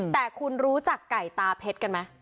แต่คุณรู้จักไก่ตาเพชรกันไหม